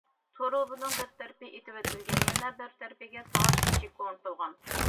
تۇرۇبىنىڭ بىر تەرىپى ئېتىۋېتىلگەن، يەنە بىر تەرىپىگە تاش ئىشىك ئورنىتىلغان.